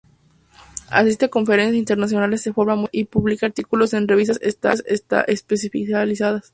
Asiste a conferencias internacionales de forma muy activa y publica artículos en revistas especializadas.